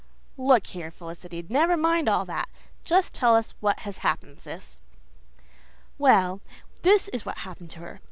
"Look here, Felicity, never mind all that. Just tell us what has happened Sis." "Well, this is what has happened her.